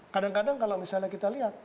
kadang kadang kalau misalnya kita lihat